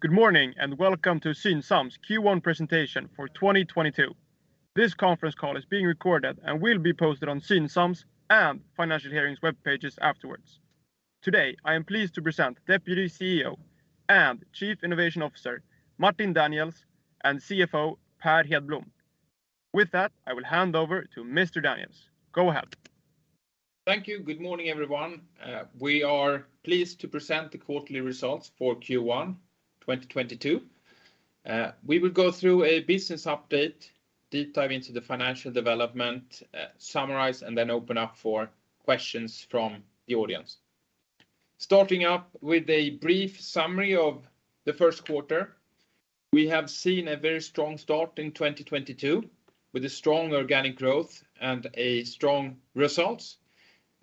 Good morning, and welcome to Synsam's Q1 Presentation for 2022. This conference call is being recorded and will be posted on Synsam's and Financial Hearings's webpages afterwards. Today, I am pleased to present Deputy CEO and Chief Innovation Officer, Martin Daniels, and CFO, Per Hedblom. With that, I will hand over to Mr. Daniels. Go ahead. Thank you. Good morning, everyone. We are pleased to present the quarterly results for Q1, 2022. We will go through a business update, deep dive into the financial development, summarize, and then open up for questions from the audience. Starting up with a brief summary of the first quarter, we have seen a very strong start in 2022, with a strong organic growth and a strong results.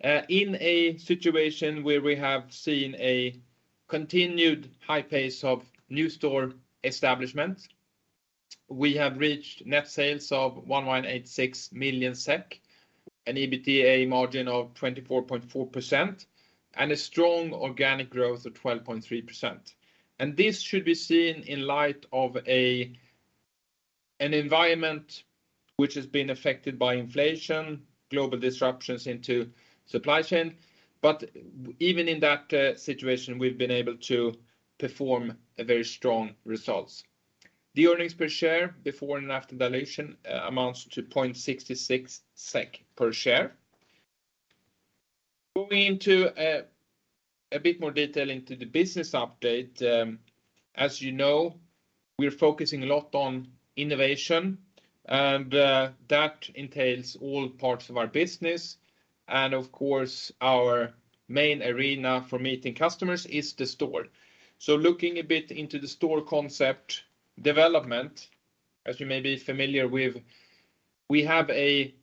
In a situation where we have seen a continued high pace of new store establishment, we have reached net sales of 1,186 million SEK, an EBITDA margin of 24.4%, and a strong organic growth of 12.3%. This should be seen in light of an environment which has been affected by inflation, global disruptions into supply chain. But even in that situation, we've been able to deliver very strong results. The earnings per share before and after dilution amounts to 0.66 SEK per share. Going into a bit more detail into the business update, as you know, we're focusing a lot on innovation, and that entails all parts of our business, and of course, our main arena for meeting customers is the store. Looking a bit into the store concept development, as you may be familiar with, we have the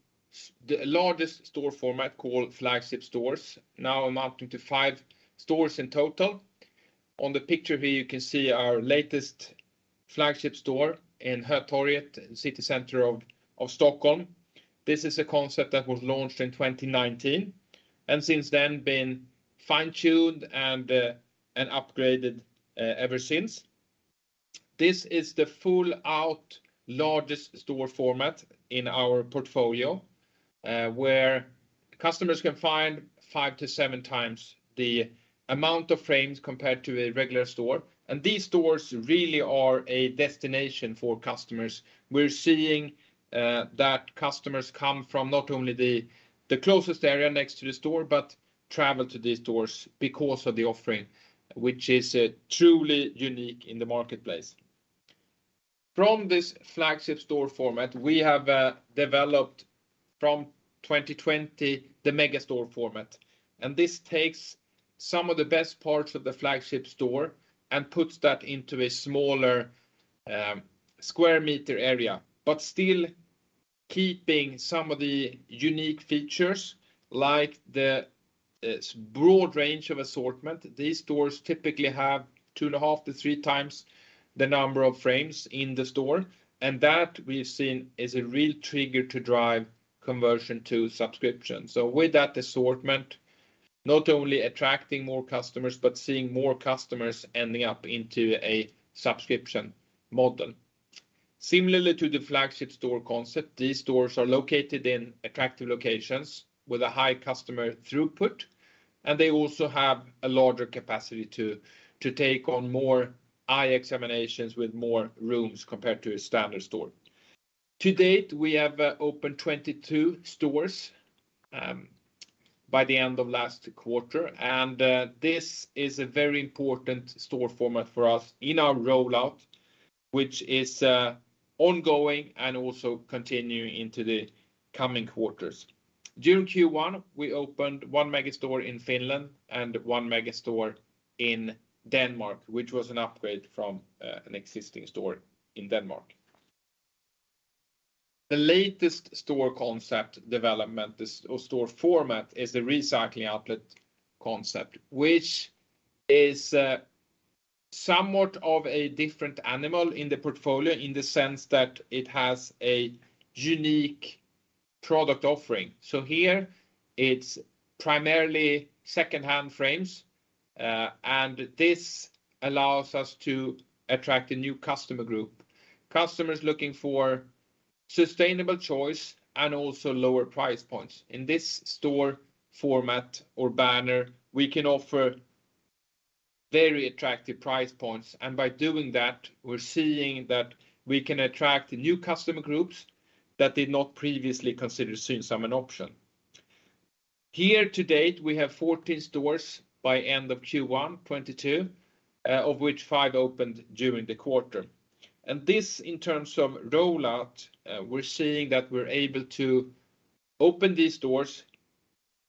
largest store format called flagship stores, now amounting to five stores in total. On the picture here, you can see our latest flagship store in Hötorget, city center of Stockholm. This is a concept that was launched in 2019, and since then been fine-tuned and upgraded ever since. This is the full-out largest store format in our portfolio, where customers can find 5x-7x the amount of frames compared to a regular store. These stores really are a destination for customers. We're seeing that customers come from not only the closest area next to the store but travel to these stores because of the offering, which is truly unique in the marketplace. From this flagship store format, we have developed from 2020 the Megastore format, and this takes some of the best parts of the flagship store and puts that into a smaller square meter area, but still keeping some of the unique features like its broad range of assortment. These stores typically have 2.5x-3x the number of frames in the store, and that we've seen is a real trigger to drive conversion to subscription. With that assortment, not only attracting more customers, but seeing more customers ending up into a subscription model. Similarly to the flagship store concept, these stores are located in attractive locations with a high customer throughput, and they also have a larger capacity to take on more eye examinations with more rooms compared to a standard store. To date, we have opened 22 stores by the end of last quarter, and this is a very important store format for us in our rollout, which is ongoing and also continuing into the coming quarters. During Q1, we opened one Megastore in Finland and one Megastore in Denmark, which was an upgrade from an existing store in Denmark. The latest store concept development is, or store format is the Recycling Outlet concept, which is somewhat of a different animal in the portfolio in the sense that it has a unique product offering. Here it's primarily second-hand frames, and this allows us to attract a new customer group, customers looking for sustainable choice and also lower price points. In this store format or banner, we can offer very attractive price points, and by doing that, we're seeing that we can attract new customer groups that did not previously consider Synsam an option. Here to date, we have 14 stores by end of Q1 2022, of which five opened during the quarter. This, in terms of rollout, we're seeing that we're able to open these stores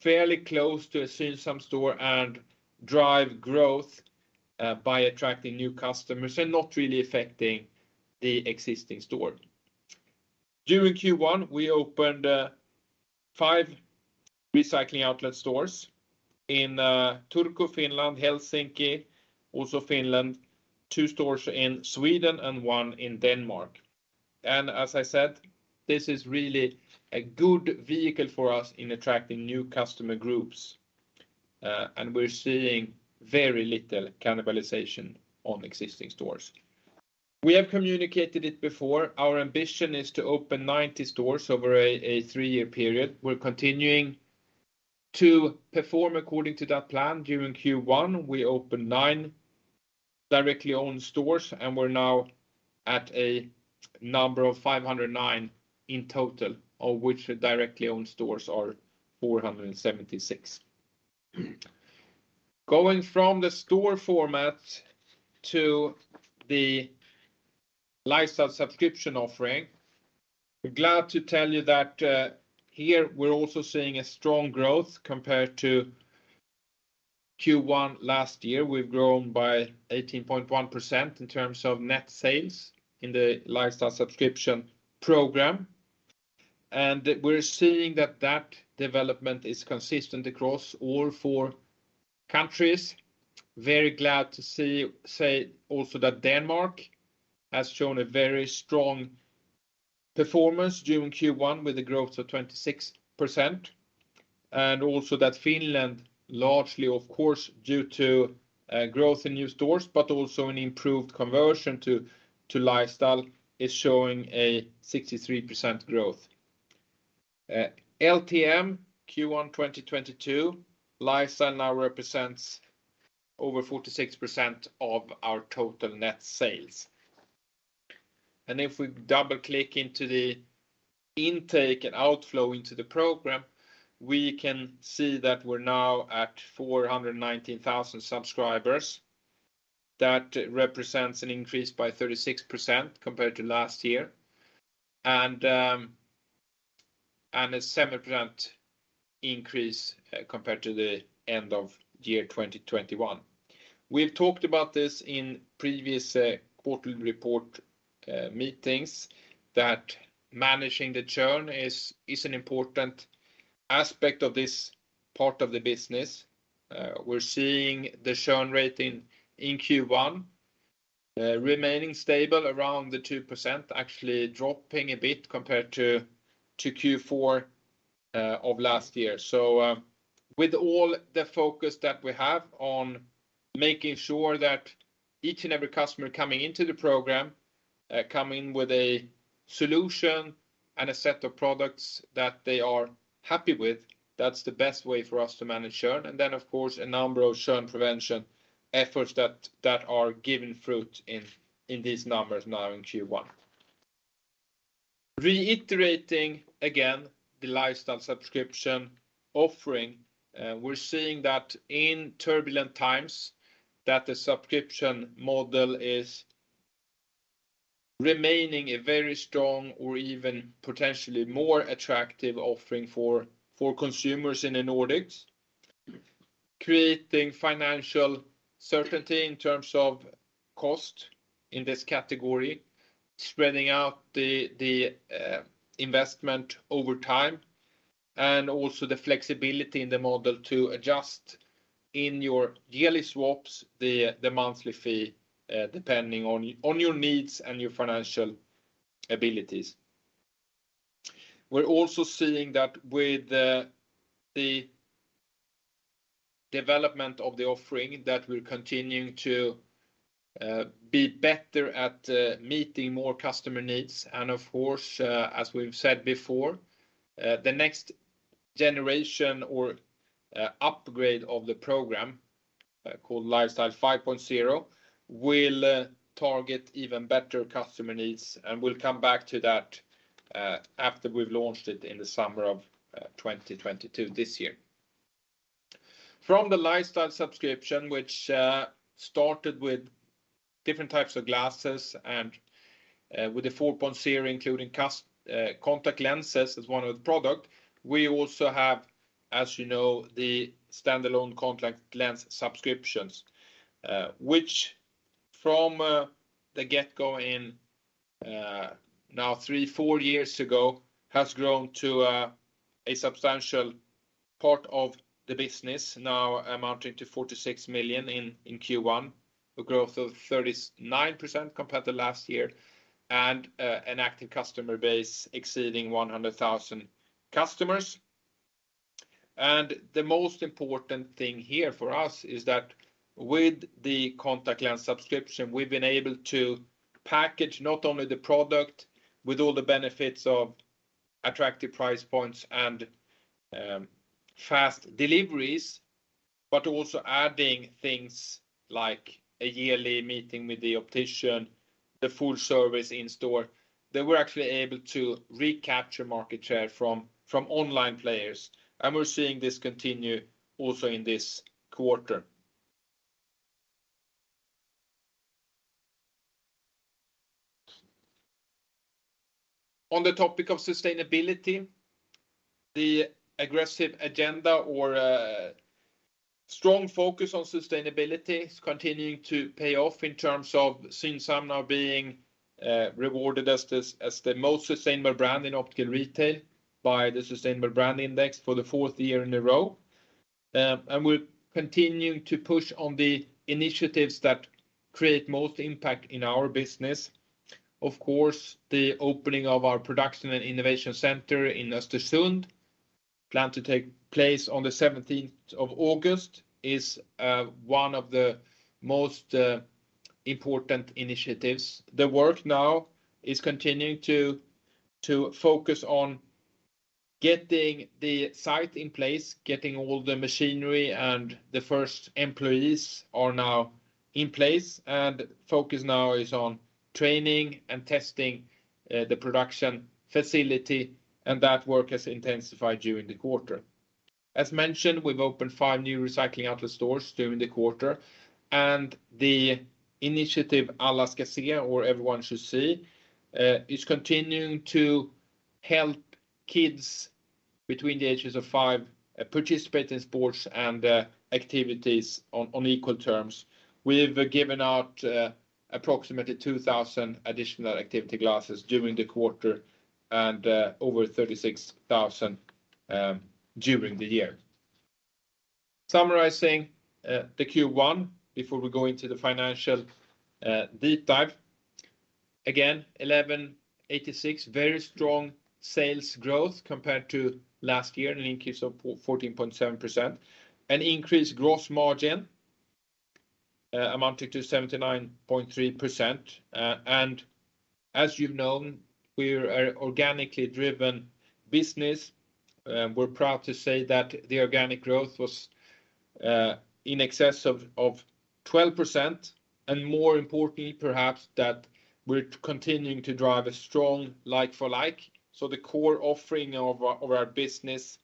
fairly close to a Synsam store and drive growth, by attracting new customers and not really affecting the existing store. During Q1, we opened five Recycling Outlet stores in Turku, Finland, Helsinki, also Finland, two stores in Sweden and one in Denmark. As I said, this is really a good vehicle for us in attracting new customer groups, and we're seeing very little cannibalization on existing stores. We have communicated it before, our ambition is to open 90 stores over a three-year period. We're continuing to perform according to that plan. During Q1, we opened nine directly owned stores, and we're now at a number of 509 in total, of which the directly owned stores are 476. Going from the store format to the lifestyle subscription offering, we're glad to tell you that here we're also seeing a strong growth compared to Q1 last year. We've grown by 18.1% in terms of net sales in the lifestyle subscription program. We're seeing that development is consistent across all four countries. Very glad to say also that Denmark has shown a very strong performance during Q1 with a growth of 26%, and also that Finland, largely of course due to growth in new stores, but also an improved conversion to lifestyle is showing a 63% growth. LTM Q1 2022 lifestyle now represents over 46% of our total net sales. If we double-click into the intake and outflow into the program, we can see that we're now at 419,000 subscribers. That represents an increase by 36% compared to last year, and a 7% increase compared to the end of year 2021. We've talked about this in previous quarterly report meetings that managing the churn is an important aspect of this part of the business. We're seeing the churn rate in Q1 remaining stable around the 2%, actually dropping a bit compared to Q4 of last year. With all the focus that we have on making sure that each and every customer coming into the program come in with a solution and a set of products that they are happy with, that's the best way for us to manage churn. Of course, a number of churn prevention efforts that are giving fruit in these numbers now in Q1. Reiterating again the lifestyle subscription offering, we're seeing that in turbulent times that the subscription model is remaining a very strong or even potentially more attractive offering for consumers in the Nordics. Creating financial certainty in terms of cost in this category, spreading out the investment over time, and also the flexibility in the model to adjust in your yearly swaps, the monthly fee, depending on your needs and your financial abilities. We're also seeing that with the development of the offering that we're continuing to be better at meeting more customer needs. And of course, as we've said before, the next generation or upgrade of the program called Lifestyle 5.0 will target even better customer needs, and we'll come back to that after we've launched it in the summer of 2022 this year. From the Lifestyle subscription, which started with different types of glasses and with the 4.0, including contact lenses as one of the product, we also have, as you know, the standalone contact lens subscriptions. Which from the get-go in now three, four years ago, has grown to a substantial part of the business now amounting to 46 million in Q1, a growth of 39% compared to last year, and an active customer base exceeding 100,000 customers. The most important thing here for us is that with the contact lens subscription, we've been able to package not only the product with all the benefits of attractive price points and fast deliveries, but also adding things like a yearly meeting with the optician, the full service in store, that we're actually able to recapture market share from online players. We're seeing this continue also in this quarter. On the topic of sustainability, the aggressive agenda or strong focus on sustainability is continuing to pay off in terms of Synsam now being rewarded as the most sustainable brand in optical retail by the Sustainable Brand Index for the fourth year in a row. We're continuing to push on the initiatives that create most impact in our business. Of course, the opening of our production and innovation center in Östersund planned to take place on the 17th of August is one of the most important initiatives. The work now is continuing to focus on getting the site in place, getting all the machinery, and the first employees are now in place, and focus now is on training and testing the production facility, and that work has intensified during the quarter. As mentioned, we've opened fve new Recycling Outlet stores during the quarter, and the initiative Alla ska se, or Everyone Should See, is continuing to help kids between the ages of five participate in sports and activities on equal terms. We've given out approximately 2,000 additional activity glasses during the quarter and over 36,000 during the year. Summarizing, the Q1 before we go into the financial deep dive, again, 1,186 million, very strong sales growth compared to last year, an increase of 14.7%. An increased gross margin, amounting to 79.3%. As you've known, we're an organically driven business. We're proud to say that the organic growth was in excess of 12%, and more importantly perhaps that we're continuing to drive a strong like-for-like, so the core offering of our business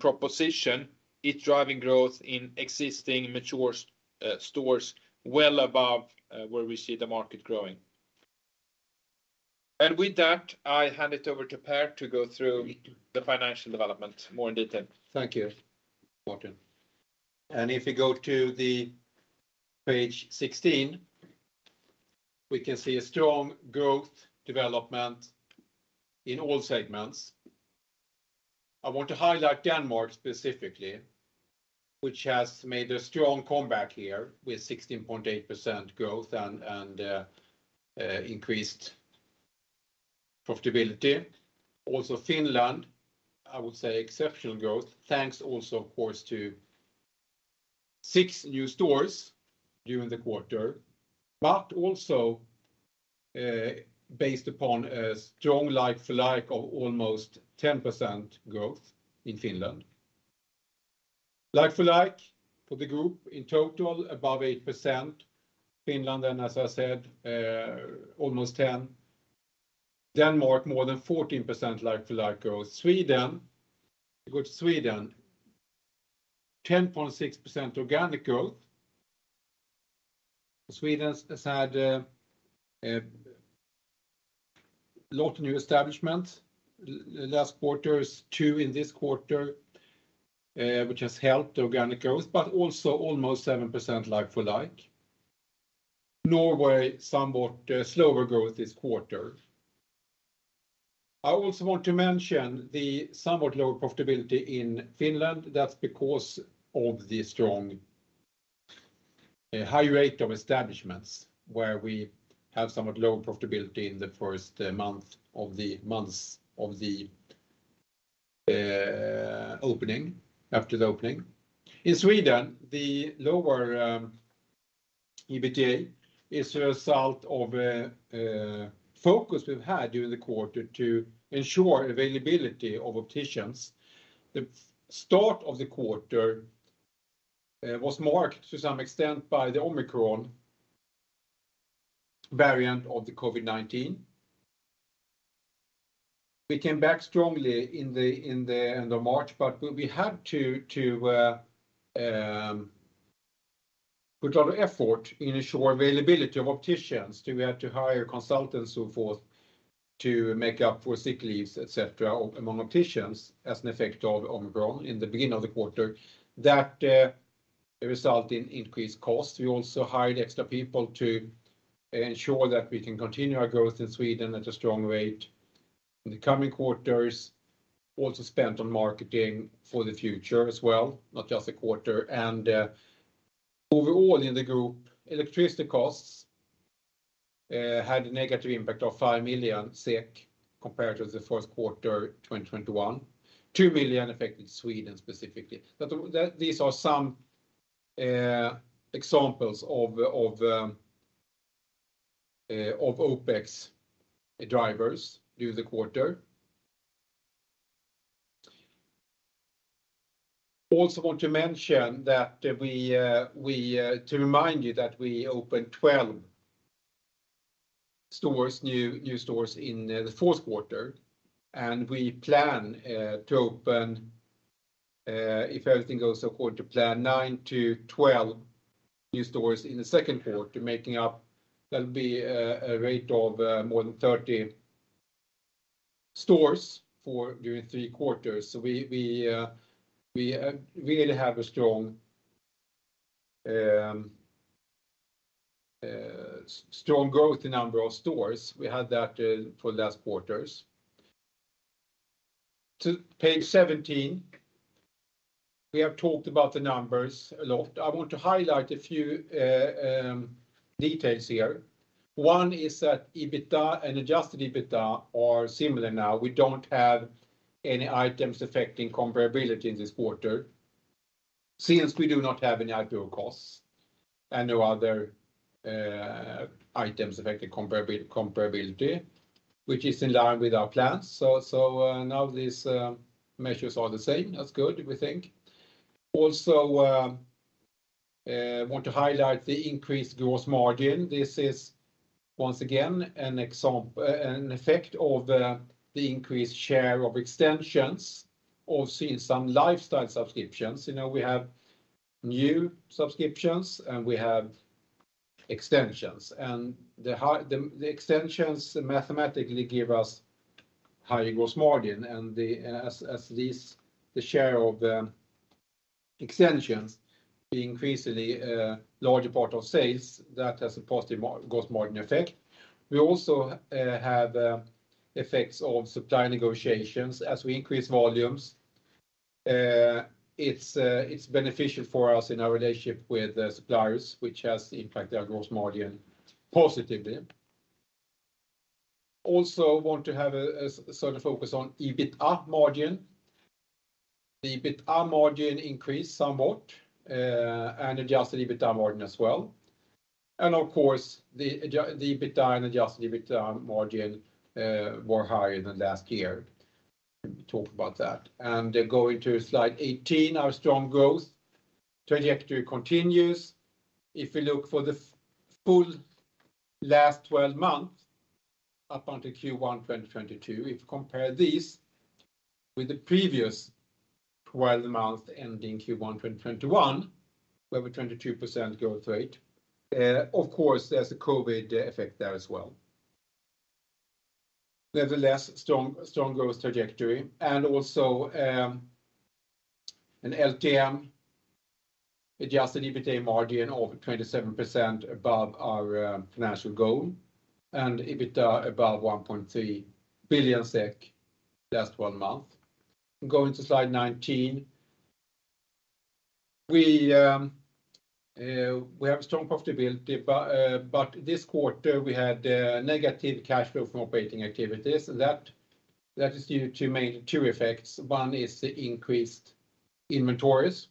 proposition is driving growth in existing mature stores well above where we see the market growing. With that, I hand it over to Per to go through the financial development more in detail. Thank you, Martin. If you go to page 16, we can see a strong growth development in all segments. I want to highlight Denmark specifically, which has made a strong comeback here with 16.8% growth and increased profitability. Also, Finland, I would say, exceptional growth, thanks also, of course, to six new stores during the quarter. Also, based upon a strong like-for-like of almost 10% growth in Finland. Like-for-like for the group in total above 8%. Finland, then, as I said, almost 10. Denmark more than 14% like-for-like growth. Sweden, we go to Sweden, 10.6% organic growth. Sweden has had a lot of new establishments last quarter, 2 in this quarter, which has helped organic growth, but also almost 7% like-for-like. Norway, somewhat slower growth this quarter. I also want to mention the somewhat lower profitability in Finland. That's because of the strong high rate of establishments where we have somewhat lower profitability in the first months of the opening, after the opening. In Sweden, the lower EBITDA is a result of a focus we've had during the quarter to ensure availability of opticians. The start of the quarter was marked to some extent by the Omicron variant of the COVID-19. We came back strongly in the end of March, but we had to put a lot of effort in ensuring availability of opticians. We had to hire consultants and so forth to make up for sick leaves, et cetera, among opticians as an effect of Omicron in the beginning of the quarter. That result in increased costs. We also hired extra people to ensure that we can continue our growth in Sweden at a strong rate in the coming quarters. Spent on marketing for the future as well, not just the quarter. Overall in the group, electricity costs had a negative impact of 5 million SEK compared to the first quarter 2021. 2 million affected Sweden specifically. These are some examples of OPEX drivers during the quarter. Want to mention that we to remind you that we opened 12 new stores in the fourth quarter, and we plan to open, if everything goes according to plan, 9-12 new stores in the second quarter, making up, that'll be a rate of more than 30 stores for during three quarters. We really have a strong growth in number of stores. We had that for the last quarters. To page 17. We have talked about the numbers a lot. I want to highlight a few details here. One is that EBITDA and adjusted EBITDA are similar now. We don't have any items affecting comparability in this quarter since we do not have any outdoor costs and no other items affecting comparability, which is in line with our plans. Now these measures are the same. That's good, we think. Also, want to highlight the increased gross margin. This is once again an effect of the increased share of extensions. Also in some lifestyle subscriptions, you know, we have new subscriptions, and we have extensions and the extensions mathematically give us higher gross margin and as the share of extensions be increasingly a larger part of sales, that has a positive gross margin effect. We also have effects of supply negotiations as we increase volumes. It's beneficial for us in our relationship with the suppliers, which has impacted our gross margin positively. Also want to have a certain focus on EBITDA margin. The EBITDA margin increased somewhat, and adjusted EBITDA margin as well and of course, the EBITDA and adjusted EBITDA margin were higher than last year. We talked about that. Going to slide 18, our strong growth trajectory continues. If we look for the full last twelve months up until Q1 2022, if you compare this with the previous twelve months ending Q1 2021, we have a 22% growth rate. Of course, there's a COVID effect there as well. Nevertheless, strong growth trajectory and also an LTM adjusted EBITDA margin of 27% above our financial goal and LTM EBITDA above 1.3 billion SEK. Going to slide 19. We have strong profitability, but this quarter, we had negative cash flow from operating activities. That is due to two effects. One is the increased inventories,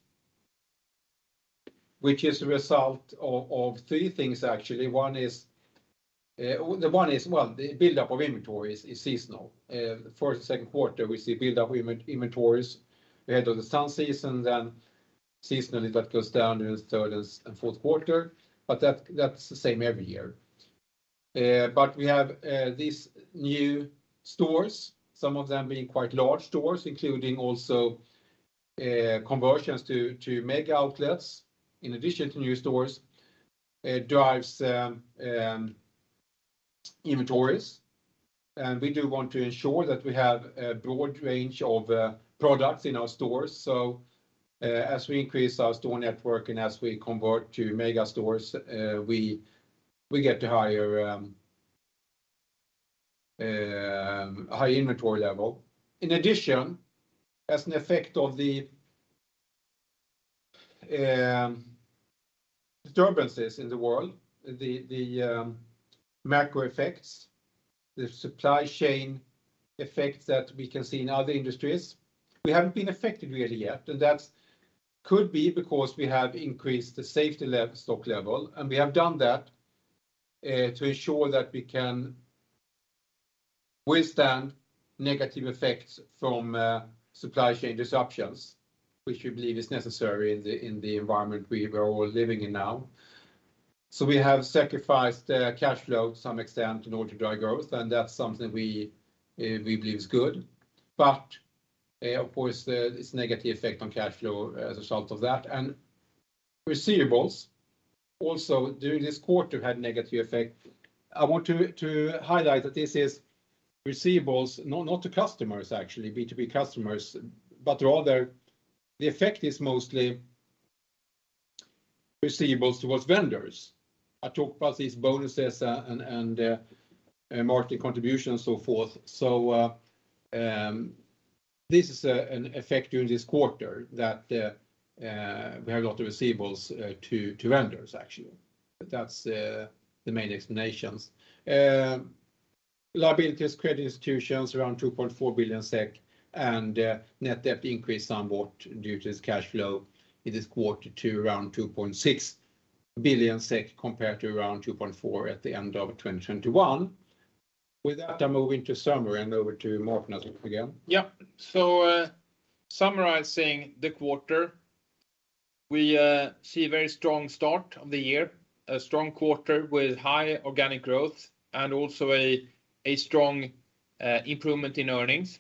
which is a result of three things actually. One is well, the buildup of inventories is seasonal. The first and second quarter, we see buildup inventories ahead of the summer season, then seasonally that goes down in the third and fourth quarter, but that's the same every year. We have these new stores, some of them being quite large stores, including also conversions to Megastores in addition to new stores, drives inventories. We do want to ensure that we have a broad range of products in our stores. As we increase our store network and as we convert to Megastores, we get higher inventory level. In addition, as an effect of the disturbances in the world, the macro effects, the supply chain effects that we can see in other industries, we haven't been affected really yet, and that could be because we have increased the safety stock level, and we have done that to ensure that we can withstand negative effects from supply chain disruptions, which we believe is necessary in the environment we are all living in now. We have sacrificed cash flow to some extent in order to drive growth, and that's something we believe is good. Of course, there is negative effect on cash flow as a result of that. Receivables also during this quarter had negative effect. I want to highlight that this is receivables, not to customers actually, B2B customers, but rather the effect is mostly receivables towards vendors. I talked about these bonuses and market contributions, so forth. This is an effect during this quarter that we have a lot of receivables to vendors actually. That's the main explanation. Liabilities, credit institutions around 2.4 billion SEK and net debt increased somewhat due to this cash flow in this quarter to around 2.6 billion SEK compared to around 2.4 billion at the end of 2021. With that, I move into summary and over to Martin again. Yeah. Summarizing the quarter, we see a very strong start of the year, a strong quarter with high organic growth and also a strong improvement in earnings.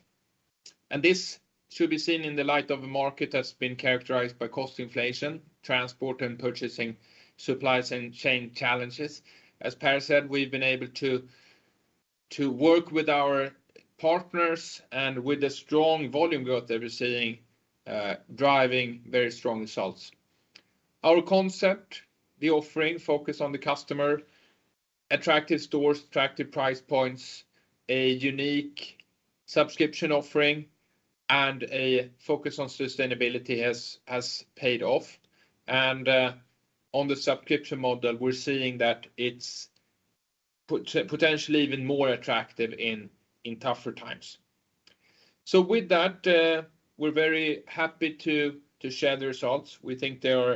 This should be seen in the light of a market that's been characterized by cost inflation, transport and purchasing, supply chain challenges. As Per said, we've been able to work with our partners and with the strong volume growth that we're seeing, driving very strong results. Our concept, the offering focus on the customer, attractive stores, attractive price points, a unique subscription offering, and a focus on sustainability has paid off. On the subscription model, we're seeing that it's potentially even more attractive in tougher times. With that, we're very happy to share the results. We think they are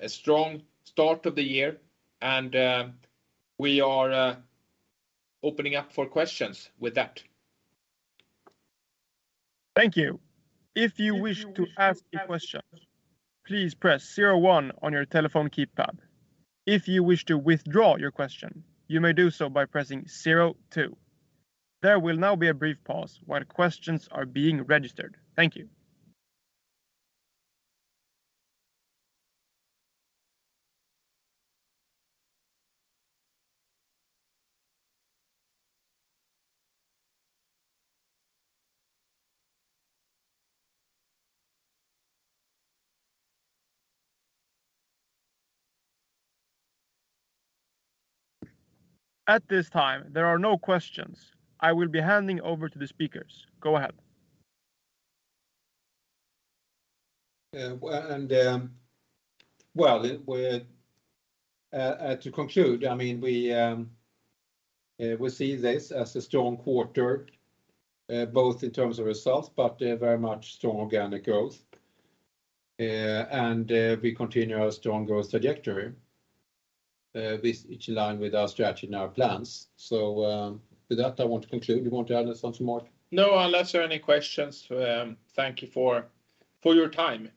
a strong start of the year, and we are opening up for questions with that. Thank you. If you wish to ask a question, please press zero one on your telephone keypad. If you wish to withdraw your question, you may do so by pressing zero two. There will now be a brief pause while questions are being registered. Thank you. At this time, there are no questions. I will be handing over to the speakers. Go ahead. To conclude, I mean, we see this as a strong quarter, both in terms of results, but very much strong organic growth. We continue our strong growth trajectory. This is in line with our strategy and our plans. With that, I want to conclude. You want to add something more? No, unless there are any questions. Thank you for your time.